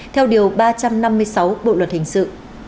theo điều ba trăm năm mươi sáu bộ luật hình sự